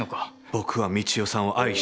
「僕は三千代さんを愛している」。